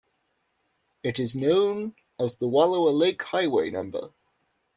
It is known as the Wallowa Lake Highway No.